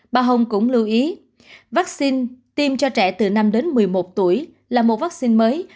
bà hồng cũng lưu ý vaccine tiêm cho trẻ từ năm đến một mươi một tuổi là một vaccine mới